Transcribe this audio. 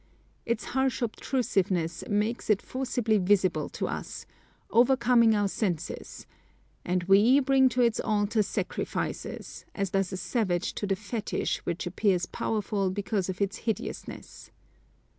Its harsh obtrusiveness makes it forcibly visible to us, overcoming our senses, and we bring to its altar sacrifices, as does a savage to the fetish which appears powerful because of its hideousness.